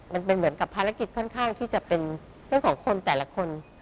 มันเป็นเหมือนกับภารกิจค่อนข้างที่จะเป็นเรื่องของคนแต่ละคน